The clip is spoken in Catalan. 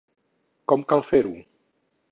Com cal fer-ho?